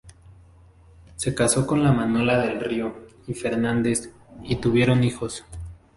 Se casó con Manuela del Río y Fernández y tuvieron hijos.